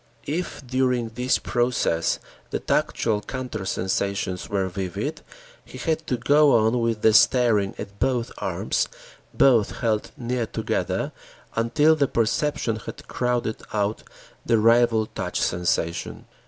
If during this process, the tactual counter sensations were vivid, he had to go on with the staring at both arms, both held near together until the perception had crowded out the rival touch sensation.